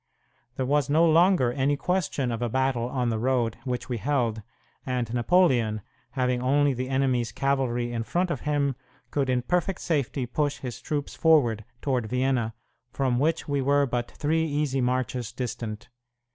There was no longer any question of a battle on the road which we held, and Napoleon, having only the enemy's cavalry in front of him, could in perfect safety push his troops forward toward Vienna, from which we were but three easy marches distant.